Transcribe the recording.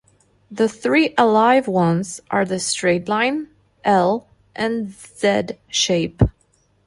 The three alive ones are the straight line, L and Z shape.